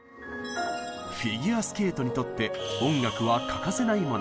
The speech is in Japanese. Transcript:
フィギュアスケートにとって音楽は欠かせないもの。